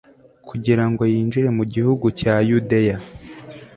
kugira ngo yinjire mu gihugu cya yudeya